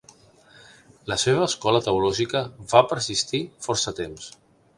La seva escola teològica va persistir força temps.